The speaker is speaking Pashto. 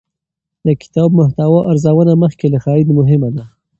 د کتاب محتوا ارزونه مخکې له خرید مهمه ده.